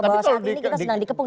bahwa saat ini kita sedang dikepung